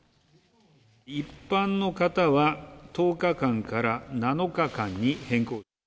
一般の方は１０日間から７日